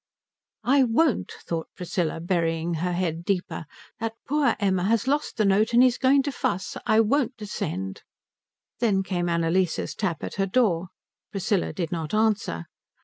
"I won't," thought Priscilla, burying her head deeper. "That poor Emma has lost the note and he's going to fuss. I won't descend." Then came Annalise's tap at her door. Priscilla did not answer.